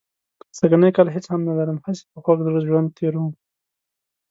سږنی کال هېڅ هم نه لرم، هسې په خوږ زړه ژوند تېروم.